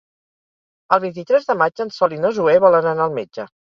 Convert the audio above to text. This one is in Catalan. El vint-i-tres de maig en Sol i na Zoè volen anar al metge.